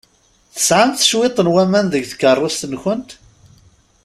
Tesɛamt cwiṭ n waman deg tkeṛṛust-nkent?